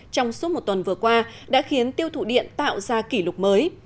trong suốt một tuần vừa qua đã khiến tiêu thụ điện tạo ra kỷ lục mới